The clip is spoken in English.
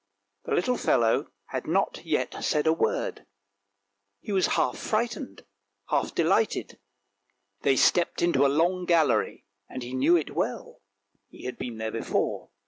The little fellow had not yet said a word, he was half frightened, half delighted. They stepped into a long gallery, he knew it well, he had been there before.